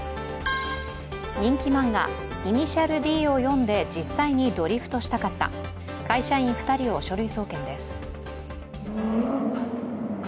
人気漫画「頭文字Ｄ」を読んで実際にドリフトしたかった、会社員２人を書類送検です。